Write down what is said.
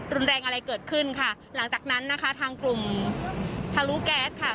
รุนแรงอะไรเกิดขึ้นค่ะหลังจากนั้นนะคะทางกลุ่มทะลุแก๊สค่ะ